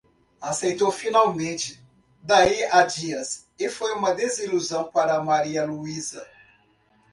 Aceitou finalmente, daí a dias, e foi uma desilusão para Maria Luísa.